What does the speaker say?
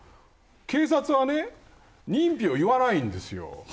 警察は認否を言わないんですよ。